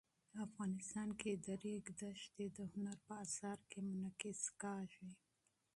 افغانستان کې د ریګ دښتې د هنر په اثار کې منعکس کېږي.